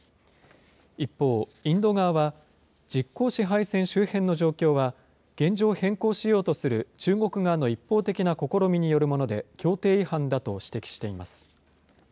一方、インド側は、実効支配線周辺の状況は、現状変更しようとする中国側の一方的な試みによるもので、協定違反だと指摘しています。